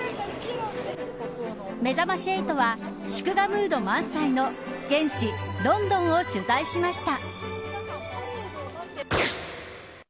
めざまし８は祝賀ムード満載の現地ロンドンを取材しました。